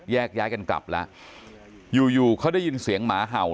แยกย้ายกันกลับแล้วอยู่อยู่เขาได้ยินเสียงหมาเห่า